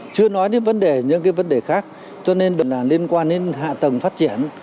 chưa nói những vấn đề khác cho nên liên quan đến hạ tầng phát triển